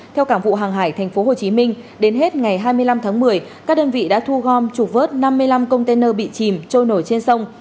theo cảng vụ hàng hải tp hcm đến hết ngày hai mươi năm tháng một mươi các đơn vị đã thu gom trục vớt năm mươi năm container bị chìm trôi nổi trên sông